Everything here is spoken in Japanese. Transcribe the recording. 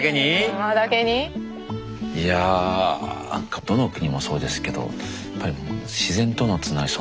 いやどの国もそうですけどやっぱり自然とのつながり